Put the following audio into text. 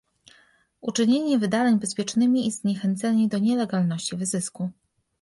Uczynienie wydaleń bezpiecznymi I zniechęcenie do nielegalności i wyzysku